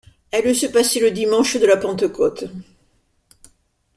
Elle se passait le dimanche de la Pentecôte.